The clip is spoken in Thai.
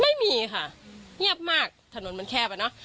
ไม่มีค่ะเงียบมากถนนมันแคบอ่ะเนอะ